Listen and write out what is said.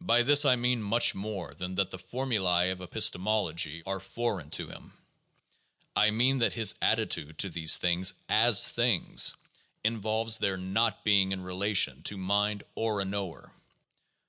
By this I mean much more than that the formulas of epistemology are foreign to him; I mean that his attitude to these things as things involves their not being in relation to mind or a knower.